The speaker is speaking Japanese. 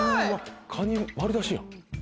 カニ丸出しやん。